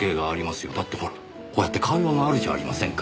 だってほらこうやって会話があるじゃありませんか。